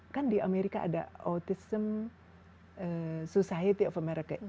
kan di amerika ada autism society of america